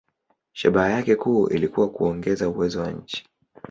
Shabaha yake kuu ilikuwa kuongeza uwezo wa nchi.